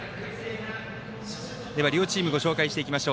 両チームご紹介していきます。